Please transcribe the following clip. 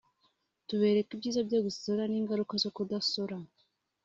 tubereka ibyiza byo gusora n’ingaruka zo kudasora